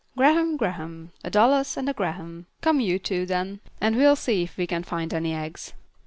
"Graham, Graham. A Dallas and a Graham. Come you two, then, and we'll see if we can find any eggs."